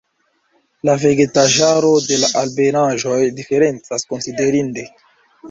La vegetaĵaro de la altebenaĵoj diferencas konsiderinde.